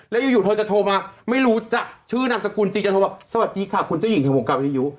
แล้วอยู่เธอจะโทรมาไม่รู้จะชื่อนามสกุลจริงจะโทรบอกสวัสดีค่ะคุณเจ้าหญิงแห่งวงการวิทยุ